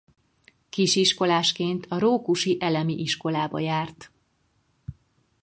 Kisiskolásként a Rókusi Elemi Iskolába járt.